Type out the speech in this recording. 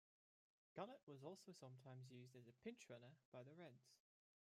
Gullett was also sometimes used as a pinch runner by the Reds.